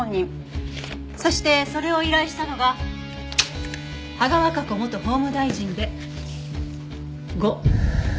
そしてそれを依頼したのが芳賀和香子元法務大臣で５。